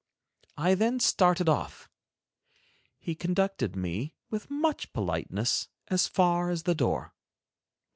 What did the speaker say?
I then started off. He conducted me, with much politeness, as far as the door.